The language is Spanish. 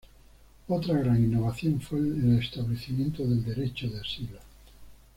Otra gran innovación fue el establecimiento del derecho de asilo.